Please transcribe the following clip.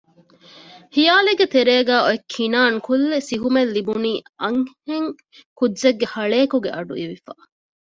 ހިޔާލެއްގެ ތެރޭގައި އޮތް ކިނާން ކުއްލި ސިހުމެއް ލިބުނީ އަންހެން ކުއްޖެއްގެ ހަޅޭކުގެ އަޑުއިވިފަ